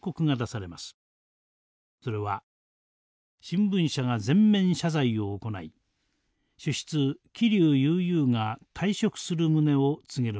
それは新聞社が全面謝罪を行い主筆桐生悠々が退職する旨を告げるものでした。